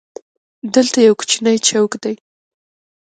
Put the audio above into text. دلته یو کوچنی چوک دی.